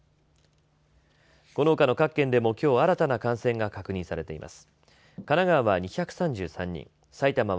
このほかの各県でもきょう新たな感染が確認されています。